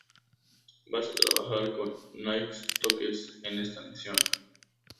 Vas a trabajar con Nick Stokes en esta misión.